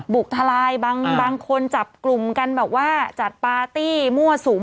ทลายบางคนจับกลุ่มกันแบบว่าจัดปาร์ตี้มั่วสุม